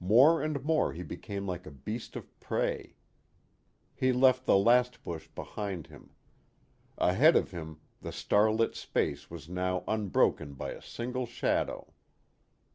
More and more he became like a beast of prey. He left the last bush behind him. Ahead of him the starlit space was now unbroken by a single shadow.